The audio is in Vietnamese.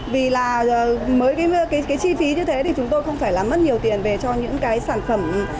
vì là với cái chi phí như thế thì chúng tôi không phải là mất nhiều tiền về cho những cái sản phẩm